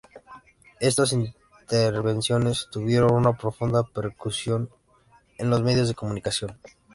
Estas intervenciones tuvieron una profunda repercusión en los medios de comunicación.